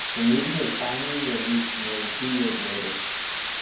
The movie was finally released nearly two years later.